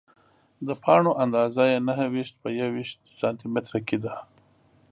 د پاڼو اندازه یې نهه ویشت په یوویشت سانتي متره کې ده.